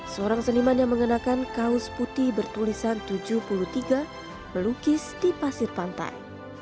seorang seniman yang mengenakan kaos putih bertulisan tujuh puluh tiga melukis di pasir pantai